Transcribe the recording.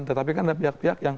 tetapi kan ada pihak pihak yang